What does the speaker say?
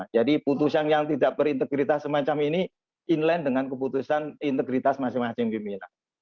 jadi keputusan yang tidak berintegritas semacam ini inline dengan keputusan integritas masing masing pimpinan